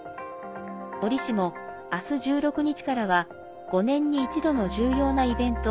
折しも明日、１６日からは５年に一度の重要なイベント